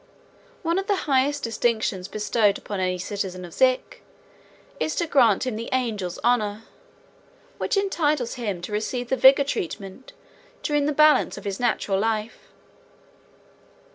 One of the highest distinctions bestowed upon any citizen of Zik is to grant him the "Angel's Honor," which entitles him to receive the Vigor Treatment during the balance of his natural life.